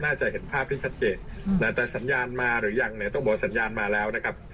เห็นภาพที่ชัดเจนแต่สัญญาณมาหรือยังเนี่ยต้องบอกว่าสัญญาณมาแล้วนะครับ